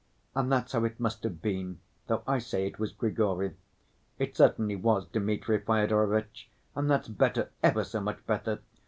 And that's how it must have been, though I say it was Grigory. It certainly was Dmitri Fyodorovitch, and that's better, ever so much better!